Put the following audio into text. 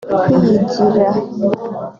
kwigira